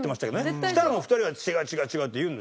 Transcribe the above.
そしたらもう２人は「違う違う違う」って言うんですよ。